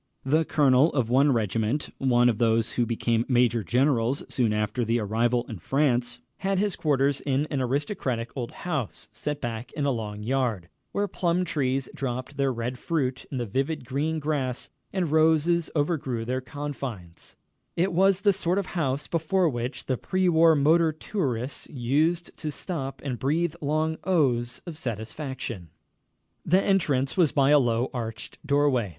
The colonel of one regiment one of those who became major generals soon after the arrival in France had his quarters in an aristocratic old house, set back in a long yard, where plum trees dropped their red fruit in the vivid green grass and roses overgrew their confines it was the sort of house before which the pre war motor tourists used to stop and breathe long "ohs" of satisfaction. The entrance was by a low, arched doorway.